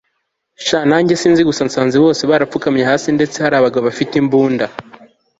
sha nanjye sinzi, gusa nsaze bose bapfukamye hasi ndetse harabagabo bafite imbunda